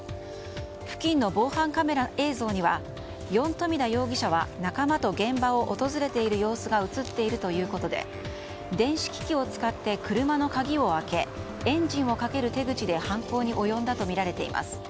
付近の防犯カメラ映像にはヨン・トミダ容疑者は仲間と現場を訪れている様子が映っているということで電子機器を使って車の鍵を開けエンジンをかける手口で犯行に及んだとみられています。